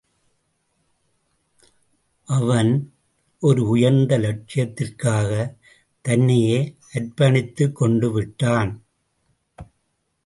அவன் ஒரு உயர்ந்த லட்சியத்திற்காகத் தன்னையே அர்ப்பணித்துக் கொண்டுவிட்டான்.